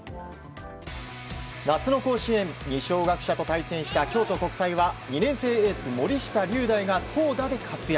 夏の甲子園二松学舎と対戦した京都国際は２年生エース森下瑠大が投打で活躍。